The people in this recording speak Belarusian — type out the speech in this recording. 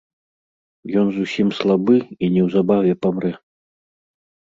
Ён зусім слабы і неўзабаве памрэ.